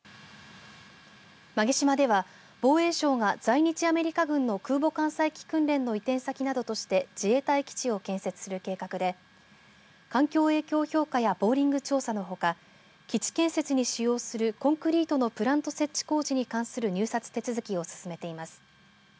馬毛島では防衛省が在日アメリカ軍の空母艦載機訓練の移転先などとして自衛隊基地を建設する計画で環境影響評価やボーリング調査のほか基地建設に使用するコンクリートのプラント設置工事などに関する入札手続きを進めています。